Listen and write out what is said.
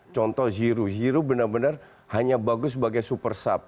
contoh zero zero benar benar hanya bagus sebagai super sub